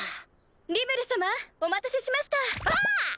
・リムル様お待たせしました・わぁ！